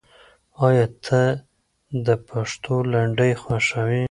آیا ته د پښتو لنډۍ خوښوې؟